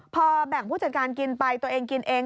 พอแบ่งผู้จัดการกินไปตัวเองกินเอง